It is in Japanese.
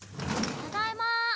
ただいま。